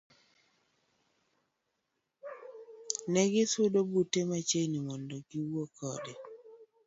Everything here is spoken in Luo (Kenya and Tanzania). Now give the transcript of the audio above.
Negisudo bute machiegni mondo giwuo kode.